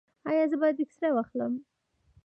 ایا زه باید اکسرې واخلم؟